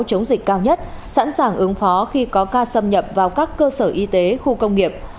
chống dịch cao nhất sẵn sàng ứng phó khi có ca xâm nhập vào các cơ sở y tế khu công nghiệp